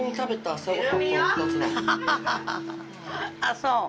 そう。